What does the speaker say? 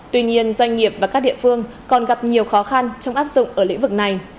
tuy nhiên doanh nghiệp và các địa phương còn gặp nhiều khó khăn trong áp dụng ở lĩnh vực này